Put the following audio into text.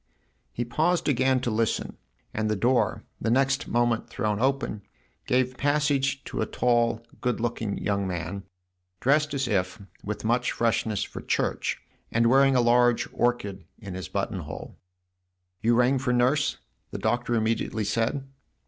He paused again to listen, and the door, the next moment thrown open, gave passage to a tall, good looking young man, dressed as if, with much freshness, for church, and wearing a large orchid in his buttonhole. " You rang for Nurse ?" the Doctor immediately said.